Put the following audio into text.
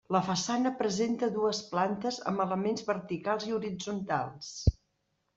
La façana presenta dues plantes amb elements verticals i horitzontals.